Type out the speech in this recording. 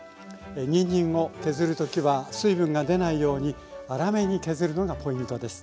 にんじんを削るときは水分が出ないように粗めに削るのがポイントです。